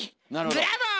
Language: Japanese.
ブラボー！